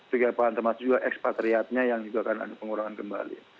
tiga bulan termasuk juga expatriatnya yang juga akan ada pengurangan kembali